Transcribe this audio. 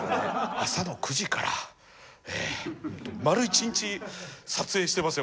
朝の９時から本当丸一日撮影してましたよ。